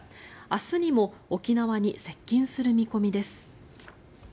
明日にも沖縄に接近する見込みです。